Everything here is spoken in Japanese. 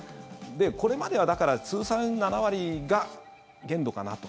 これまでは、だから通算７割が限度かなと。